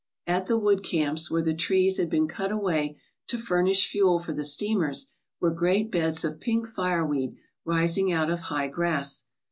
At the wood camps, where the trees had been cut away to furnish fuel for the steamers, were great beds of pink fireweed rising out of high grass.